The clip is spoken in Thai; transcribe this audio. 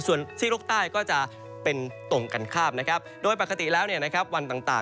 ส่วนซี่โลกใต้ก็จะเป็นตรงกันข้ามนะครับโดยปกติแล้วเนี่ยนะครับวันต่าง